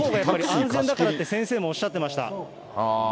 安全だからって先生もおっしゃってました。